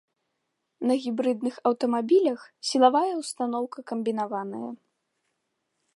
На гібрыдных аўтамабілях сілавая ўстаноўка камбінаваная.